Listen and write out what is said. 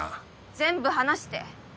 全部話して。